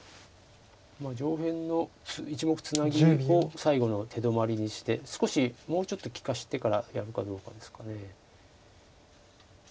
上辺の１目ツナギを最後の手止まりにして少しもうちょっと利かしてからやるかどうかですか。